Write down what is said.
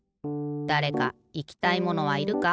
だれかいきたいものはいるか？